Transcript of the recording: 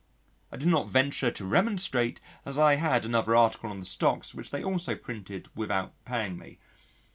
I did not venture to remonstrate as I had another article on the stocks which they also printed without paying me.